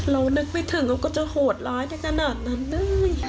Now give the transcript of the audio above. เรานึกไม่ถึงมันก็จะโหดร้ายได้ขนาดนั้นเลย